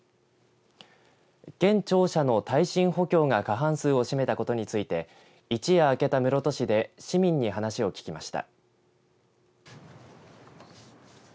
現庁舎の耐震補強が過半数を占めたことについて一夜明けた室戸市で市民に話を聞きました。